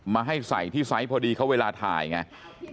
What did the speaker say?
มาให้ใส่ที่ไซส์พอดีเขาเวลาถ่ายไง